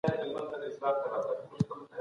هیڅوک باید د بل چا ټلیفون ونه ګوري.